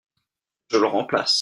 Je le remplace.